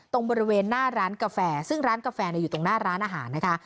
ตรงบริเวณหน้าร้านกาแฟซึ่งร้านกาแฟอยู่ตรงหน้าร้านอาหารนะคะ